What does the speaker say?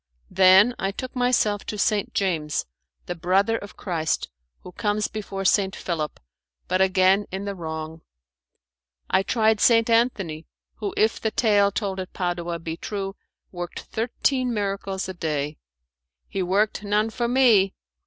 Then I took myself to St. James, the brother of Christ, who comes before St. Philip, but again in the wrong. I tried St. Anthony, who, if the tale told at Padua be true, worked thirteen miracles a day. He worked none for me.